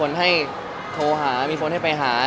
แล้วถ่ายละครมันก็๘๙เดือนอะไรอย่างนี้